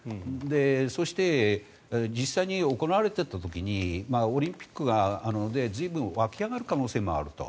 そして、実際に行われた時にオリンピックが随分沸き上がる可能性もあると。